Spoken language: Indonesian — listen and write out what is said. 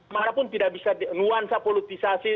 manapun tidak bisa nuansa politisasi